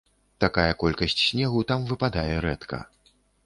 Такая колькасць снегу там выпадае рэдка.